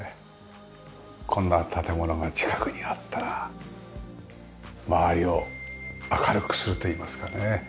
こんな建物が近くにあったら周りを明るくするといいますかね。